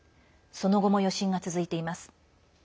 その後も余震が続いています。